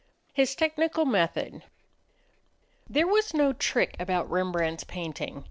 ] His Technical Method There was no trick about Rembrandt's painting.